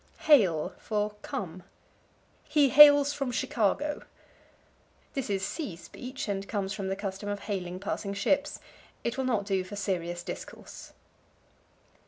Hail for Come. "He hails from Chicago." This is sea speech, and comes from the custom of hailing passing ships. It will not do for serious discourse.